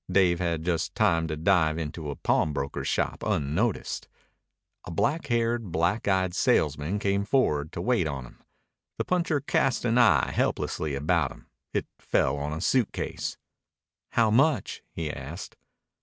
Dave had just time to dive into a pawnbroker's shop unnoticed. A black haired, black eyed salesman came forward to wait on him. The puncher cast an eye helplessly about him. It fell on a suitcase. "How much?" he asked.